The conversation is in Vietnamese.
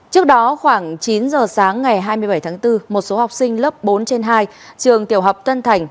trước đó khoảng chín giờ sáng ngày hai mươi bảy tháng bốn một số học sinh lớp bốn trên hai trường tiểu học tân thành